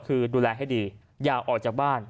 คือดูแลให้ดีอย่าออกจากบ้าน